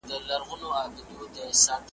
د توپان غرغړې اورم د بېړیو جنازې دي .